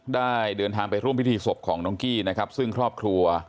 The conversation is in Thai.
ได้เดินทางไปร่วมพิธีศพของน้องกี้นะครับซึ่งครอบครัว